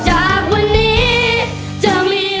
อามาโด